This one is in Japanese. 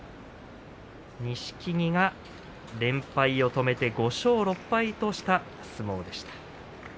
錦木が連敗を止めて５勝６敗とした相撲でした。